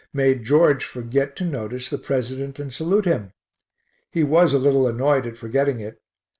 made George forget to notice the President and salute him. He was a little annoyed at forgetting it.